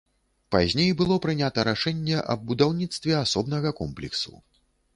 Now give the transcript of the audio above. Пазней было прынята рашэнне аб будаўніцтве асобнага комплексу.